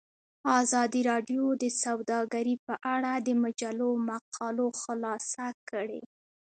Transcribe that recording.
ازادي راډیو د سوداګري په اړه د مجلو مقالو خلاصه کړې.